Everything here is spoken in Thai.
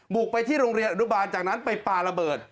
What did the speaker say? บุกไปที่โรงเรียนอนุบาลจากนั้นไปปลาระเบิด